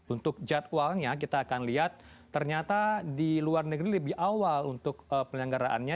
untuk jadwalnya kita akan lihat ternyata di luar negeri lebih awal untuk penyelenggaraannya